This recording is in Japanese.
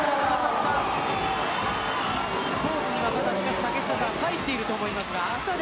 しかしコースには入っていると思いますが。